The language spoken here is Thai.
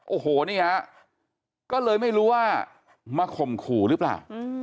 โอ้โหนี่ฮะก็เลยไม่รู้ว่ามาข่มขู่หรือเปล่า